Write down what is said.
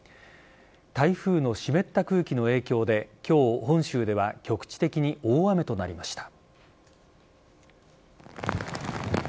台風の湿った空気の影響で今日、本州では局地的に大雨となりました。